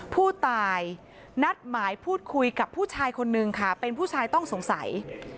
ผู้ตายนัดหมายพูดคุยกับผู้ชายคนนึงค่ะเป็นผู้ชายต้องสงสัย